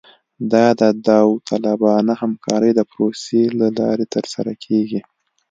دا د داوطلبانه همکارۍ د پروسې له لارې ترسره کیږي